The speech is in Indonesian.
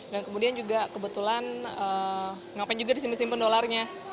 dan kemudian juga kebetulan ngapain juga disimpen simpen dolarnya